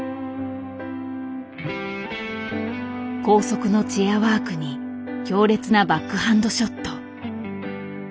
高速のチェアワークに強烈なバックハンドショット。